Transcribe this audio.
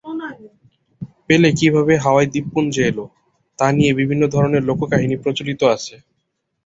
পেলে কীভাবে হাওয়াই দ্বীপপুঞ্জে এলো, তা নিয়ে বিভিন্ন ধরনের লোককাহিনী প্রচলিত আছে।